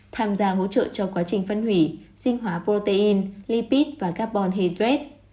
tham gia hỗ trợ cho quá trình phân hủy sinh hóa protein lipid và carbon hydrate